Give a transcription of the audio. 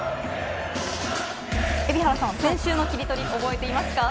海老原さん、先週のキリトリ覚えていますか。